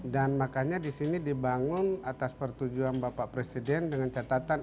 dan makanya disini dibangun atas pertujuan bapak presiden dengan catatan